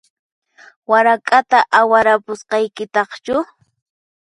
Warak'ata awarapusqaykitaqchu?